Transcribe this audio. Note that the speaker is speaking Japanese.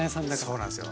そうなんすよ。